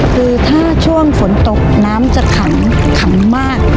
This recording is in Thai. คือถ้าช่วงฝนตกน้ำจะขังขังมาก